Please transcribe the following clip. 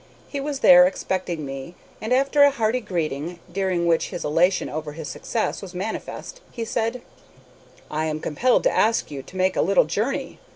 He was there expecting me, and, after a hearty greeting, during which his elation over his success was manifest, he said: "I am compelled to ask you to make a little journey.